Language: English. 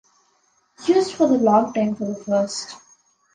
Used for the long time for the first.